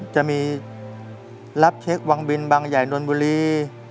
จะมีรับเช็ควังบินวังใหญ่นนบุรี